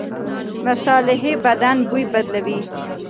مصالحې بدن بوی بدلوي.